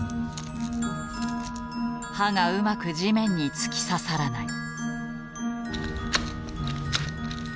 刃がうまく地面に突き刺さらない。